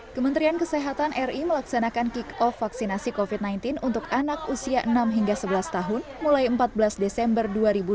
kementerian kesehatan ri melaksanakan kick off vaksinasi covid sembilan belas untuk anak usia enam hingga sebelas tahun mulai empat belas desember dua ribu dua puluh